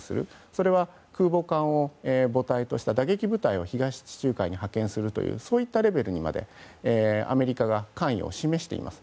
それは空母艦を母体とした打撃部隊を東地中海に派遣するというそういったレベルにまでアメリカが関与を示しています。